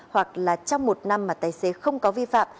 hoặc là trong một năm mà tài xế không có vi phạm